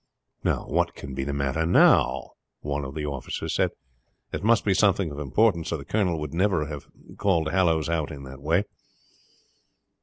"What can be the matter now?" one of the officers said. "It must be something of importance or the colonel would never have called Hallowes out in that way."